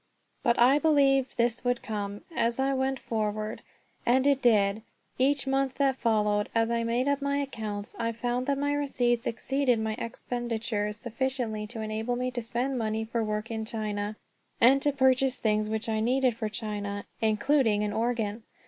But I believed this would come as I went forward; and it did. Each month that followed, as I made up my accounts, I found that my receipts exceeded my expenditures sufficiently to enable me to spend money for work in China, and to purchase things which I needed for China, including an organ.